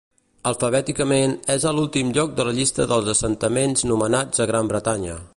Alfabèticament, és a l'últim lloc de la llista dels assentaments nomenats a Gran Bretanya.